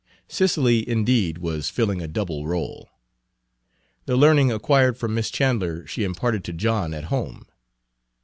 Cicely, indeed, was filling a double rôle. Page 155 The learning acquired from Miss Chandler she imparted to John at home.